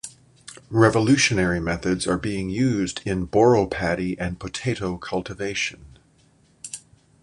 Revolutionary methods are being used in Boro paddy and potato cultivation.